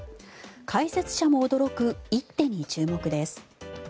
解説者も驚く一手に注目です。